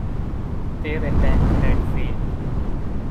Their attack had failed.